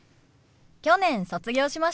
去年卒業しました。